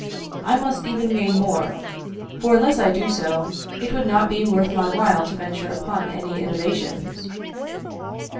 I must even gain more; for unless I do so, it would not be worth my while to venture upon any innovations."